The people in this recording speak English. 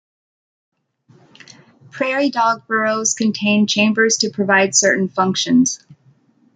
Prairie dog burrows contain chambers to provide certain functions.